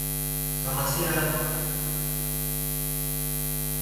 Pellissippi Parkway heads southeast as a partially controlled-access four-lane divided highway.